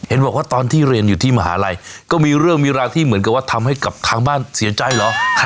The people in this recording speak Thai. บอกว่าตอนที่เรียนอยู่ที่มหาลัยก็มีเรื่องมีราวที่เหมือนกับว่าทำให้กับทางบ้านเสียใจเหรอ